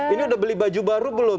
ini udah beli baju baru belum